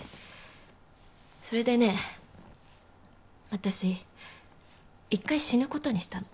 それでね私一回死ぬことにしたの。